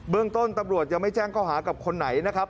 เรื่องต้นตำรวจยังไม่แจ้งข้อหากับคนไหนนะครับ